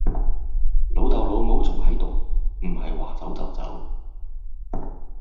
老竇老母仲係度，唔係話走就走